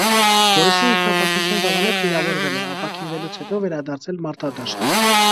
Գորիսի ինքնապաշտպանության ժամանակ վիրավորվել է, ապաքինվելուց հետո վերադարձել մարտադաշտ։